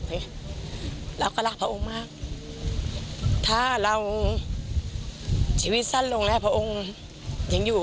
เราก็รักพระองค์มากถ้าเราชีวิตสั้นลงแล้วพระองค์ยังอยู่